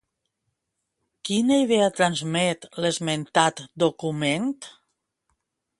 Quina idea transmet l'esmentat document?